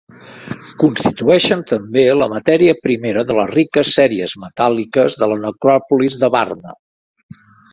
Constitueixen també la matèria primera de les riques sèries metàl·liques de la necròpolis de Varna.